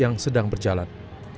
yang sedang berjalan